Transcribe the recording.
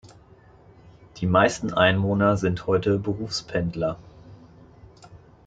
Die meisten Einwohner sind heute Berufspendler.